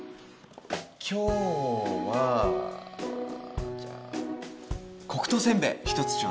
今日はじゃあ「黒糖せんべい」１つちょうだい。